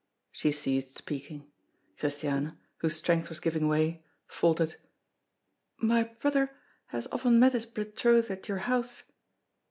She ceased speaking. Christiane, whose strength was giving way, faltered: "My brother has often met his betrothed at your house."